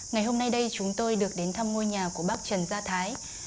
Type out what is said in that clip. ngày hôm nay đây chúng tôi được đến thăm ngôi nhà của bác trần gia thái